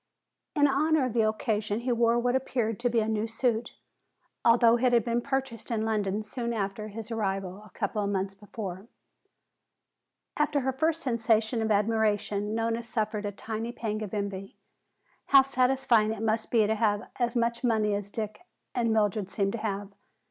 In honor of the occasion he wore what appeared to be a new suit, although it had been purchased in London soon after his arrival a number of months before. After her first sensation of admiration Nona suffered a tiny pang of envy. How satisfying it must be to have as much money as Dick and Mildred seemed to have!